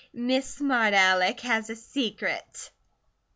Miss Smart Alec has a secret!"